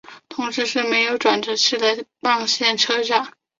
同时是没有转辙器的棒线车站。